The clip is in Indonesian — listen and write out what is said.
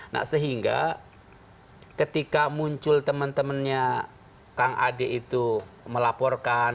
nah sehingga ketika muncul teman temannya kang ade itu melaporkan